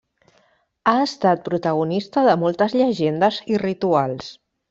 Ha estat protagonista de moltes llegendes i rituals.